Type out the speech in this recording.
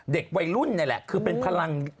เด็กวัยรุ่นนี่แหละคือเป็นพลัง